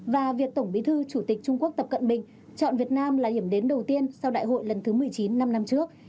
và việc tổng bí thư chủ tịch trung quốc tập cận bình chọn việt nam là điểm đến đầu tiên sau đại hội lần thứ một mươi chín năm năm trước